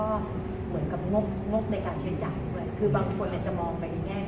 และก็เหมือนกับงบในการเชิญญาคมเชิญมากคือบางคนอาจจะมองไปในแง่